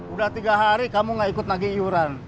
udah tiga hari kamu gak ikut lagi hiyuran